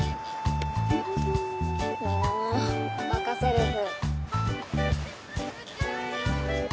もうバカせるふ。